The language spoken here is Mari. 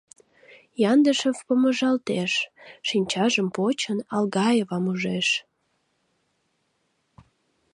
— Яндышев помыжалтеш, шинчажым почын, Алгаевам ужеш.